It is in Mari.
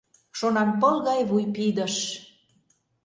Шонанпыл гае вуйпидыш